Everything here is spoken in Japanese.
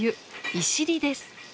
「いしり」です。